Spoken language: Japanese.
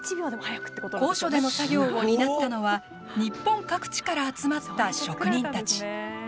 高所での作業を担ったのは日本各地から集まった職人たち。